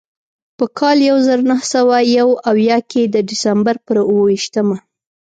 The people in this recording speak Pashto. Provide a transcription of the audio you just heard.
په کال یو زر نهه سوه یو اویا کې د ډسمبر پر اوه ویشتمه.